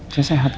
saya sehat mak